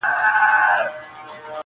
زرافه هم ډېره جګه وي ولاړه!